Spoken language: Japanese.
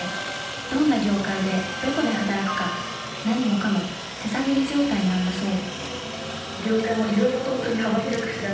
どんな業界でどこで働くか何もかも手探り状態なんだそう。